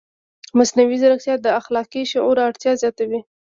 مصنوعي ځیرکتیا د اخلاقي شعور اړتیا زیاتوي.